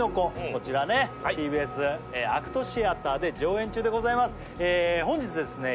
こちらねＴＢＳＡＣＴシアターで上演中でございますえー本日ですね